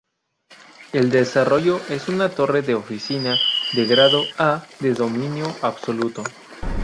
El desarrollo es una torre de oficina de Grado A de dominio absoluto.